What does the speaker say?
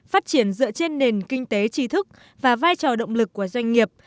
phát triển dựa trên nền kinh tế tri thức và vai trò động lực của doanh nghiệp